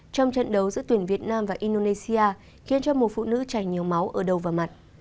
trong trận đấu giữa tuyển việt nam và indonesia khiến cho một phụ nữ chảy nhiều máu ở đầu và mặt